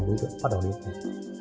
đối tượng bắt đầu đến